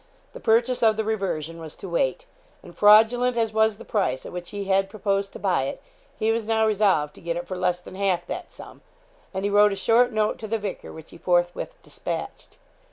The purchase of the reversion was to wait, and fraudulent as was the price at which he had proposed to buy it, he was now resolved to get it for less than half that sum, and he wrote a short note to the vicar, which he forthwith despatched.